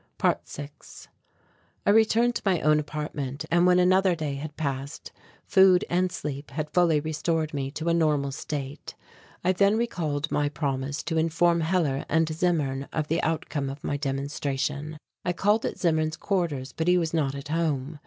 ~6~ I returned to my own apartment, and when another day had passed, food and sleep had fully restored me to a normal state. I then recalled my promise to inform Hellar and Zimmern of the outcome of my demonstration. I called at Zimmern's quarters but he was not at home.